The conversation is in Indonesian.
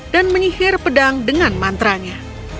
dan menyihir pedang dengan mantra nya